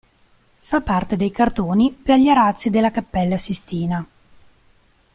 Fa parte dei cartoni per gli arazzi della Cappella Sistina.